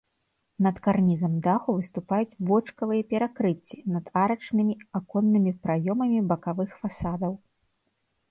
Над карнізам даху выступаюць бочкавыя перакрыцці над арачнымі аконнымі праёмамі бакавых фасадаў.